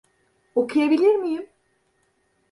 Okuyabilir miyim?